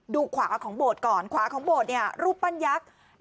ดูขวากับของโบสต์ก่อนขวาของโบสต์เนี้ยรูปปั้นยักษ์